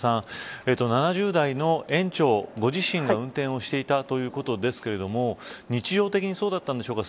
７０代の園長、ご自身が運転をしていたということですけれど日常的にそうだったんでしょうか。